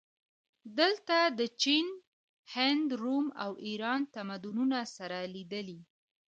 دلته د چین، هند، روم او ایران تمدنونه سره لیدلي